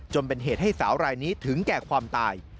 เป็นเหตุให้สาวรายนี้ถึงแก่ความตาย